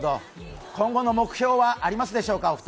今後の目標はありますでしょうか？